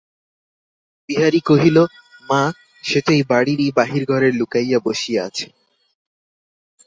বিহারী কহিল, মা, সে তো এই বাড়িরই বাহির-ঘরে লুকাইয়া বসিয়া আছে।